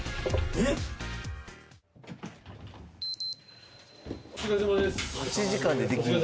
お疲れさまです。